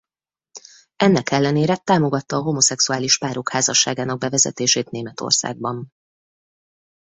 Ennek ellenére támogatta a homoszexuális párok házasságának bevezetését Németországban.